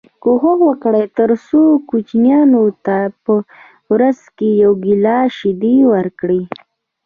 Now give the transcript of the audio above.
کوښښ وکړئ تر څو کوچنیانو ته په ورځ کي یو ګیلاس شیدې ورکړی